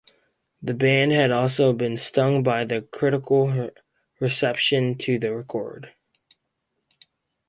The band had also been stung by the critical reception to the record.